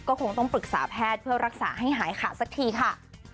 ก็คงต้องปรึกษาแพทย์เพื่อรักษาให้หายขาดสักทีค่ะ